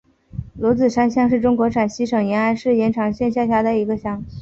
罗子山乡是中国陕西省延安市延长县下辖的一个乡。